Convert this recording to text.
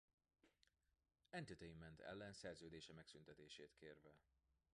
Entertainment ellen szerződése megszüntetését kérve.